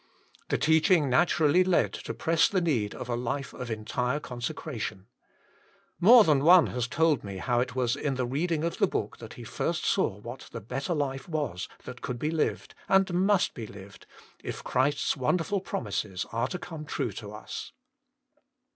The teaching naturally led to press the need of a life of entire consecration. More than one has told me how it was in the reading of the book that he first saw what the better life was that could be lived, and must be lived, if Christ s wonderful promises are to come true to us.